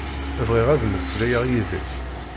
Bɣiɣ ad mmeslayeɣ yid-k.